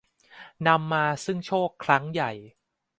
นำมาซึ่งโชคครั้งใหญ่